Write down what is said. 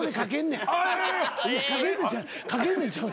「書けんねん」ちゃう。